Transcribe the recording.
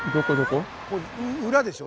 裏でしょ？